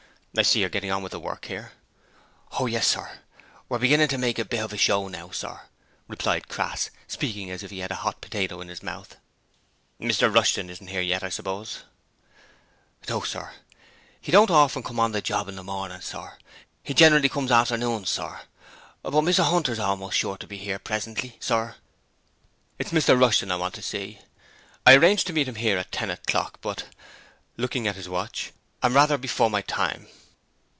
'I see you're getting on with the work here.' 'Ho yes sir, we're beginning to make a bit hov a show now, sir,' replied Crass, speaking as if he had a hot potato in his mouth. 'Mr Rushton isn't here yet, I suppose?' 'No, sir: 'e don't horfun come hon the job hin the mornin, sir; 'e generally comes hafternoons, sir, but Mr 'Unter's halmost sure to be 'ere presently, sir.' 'It's Mr Rushton I want to see: I arranged to meet him here at ten o'clock; but' looking at his watch 'I'm rather before my time.'